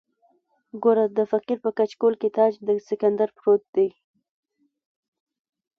ګوره د فقیر په کچکول کې تاج د سکندر پروت دی.